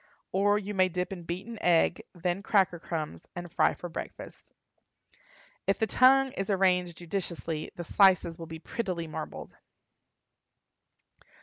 Or, you may dip in beaten egg, then cracker crumbs, and fry for breakfast. If the tongue is arranged judiciously the slices will be prettily marbled.